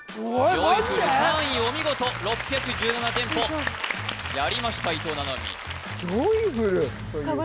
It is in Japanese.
ジョイフル３位お見事６１７店舗やりました伊藤七海ジョイフル？